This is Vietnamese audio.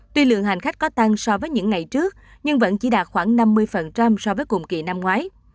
tuy lượng hành khách có tăng so với những ngày trước nhưng vẫn chỉ đạt khoảng năm mươi so với cùng kỳ năm ngoái